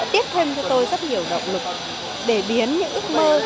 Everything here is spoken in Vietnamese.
tiếp thêm cho tôi rất nhiều động lực để biến những ước mơ